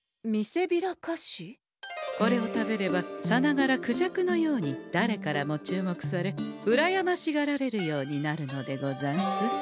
これを食べればさながらクジャクのようにだれからも注目されうらやましがられるようになるのでござんす。